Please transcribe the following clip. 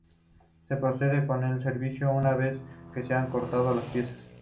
Se procede con este servicio una vez que se han cortado las piezas.